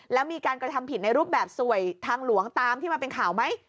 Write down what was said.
แล้วมีการกระทำผิดในรูปแบบสวยทางหลวงตามที่มาเป็นข่าวไหม